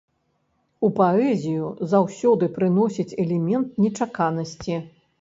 У паэзію заўсёды прыносіць элемент нечаканасці.